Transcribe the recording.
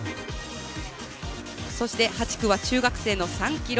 そして８区は中学生の３ｋｍ。